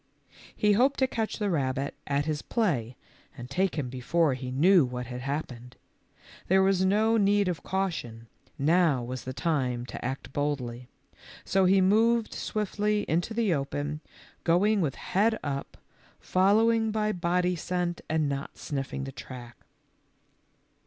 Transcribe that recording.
He hoped to catch the rabbit at his play and take him before he knew what had happened. There was no need of caution, now was the time to act boldly, so he moved swiftly into the open, going with head up, following by body scent and not sniffing the track.